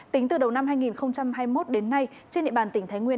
tính từ đầu năm hai nghìn hai mươi một đến nay trên địa bàn tỉnh thái nguyên